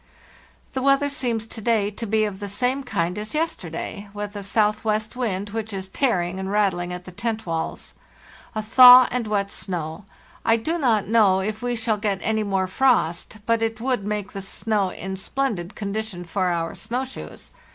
"The weather seems to day to be of the same kind as yesterday, with a southwest wind, which is tearing and rattling at the tent walls. A thaw and wet snow. I do not know if we shall get any more frost, but it would make the snow in splendid condition for our snow shoes.